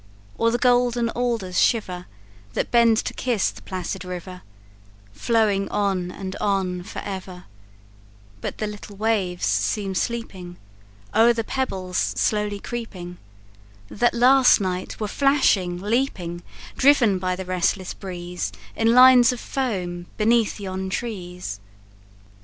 Or the golden alders shiver, That bend to kiss the placid river, Flowing on and on for ever; But the little waves seem sleeping, O'er the pebbles slowly creeping, That last night were flashing, leaping, Driven by the restless breeze, In lines of foam beneath yon trees.